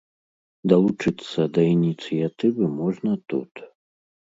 Далучыцца да ініцыятывы можна тут.